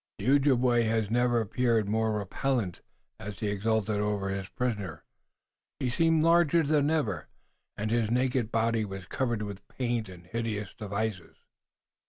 The Ojibway had never appeared more repellent, as he exulted over his prisoner. He seemed larger than ever, and his naked body was covered with painted and hideous devices.